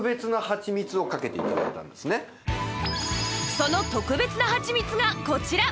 その特別なはちみつがこちら！